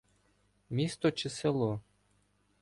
Місто чи село?